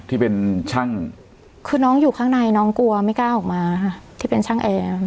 ที่เป็นช่างคือน้องอยู่ข้างในน้องกลัวไม่กล้าออกมาค่ะที่เป็นช่างแอร์